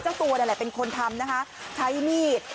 เจ้าตัวนั่นแหละเป็นคนทำนะคะใช้มีด